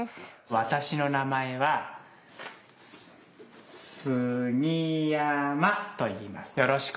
わたしのなまえは杉山といいます。